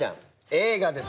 映画です